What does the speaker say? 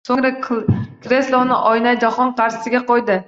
Soʻngra kresloni “oinai jahon” qarshisiga qo'ydi